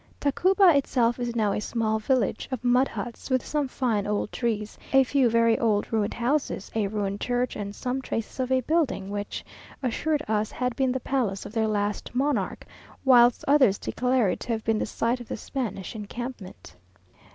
Tacuba itself is now a small village of mud huts, with some fine old trees, a few very old ruined houses, a ruined church, and some traces of a building which assured us had been the palace of their last monarch; whilst others declare it to have been the site of the Spanish encampment.